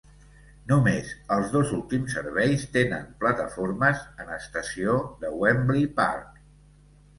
Només els dos últims serveis tenen plataformes en estació de Wembley Parc.